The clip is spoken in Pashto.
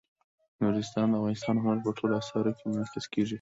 نورستان د افغانستان د هنر په ټولو اثارو کې منعکس کېږي.